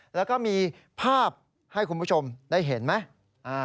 แล้วก็มีภาพให้คุณผู้ชมได้เห็นไหม